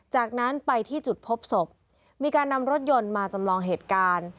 จากนั้นไปที่จุดพบศพมีการนำรถยนต์มาจำลองเหตุการณ์